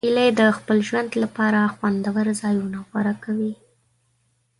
هیلۍ د خپل ژوند لپاره خوندور ځایونه غوره کوي